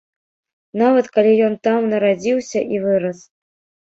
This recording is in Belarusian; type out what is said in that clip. Нават, калі ён там нарадзіўся і вырас.